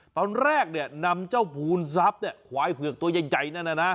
ท่านเรจะนำเจ้าภูลซับขวายเผือกตัวใหญ่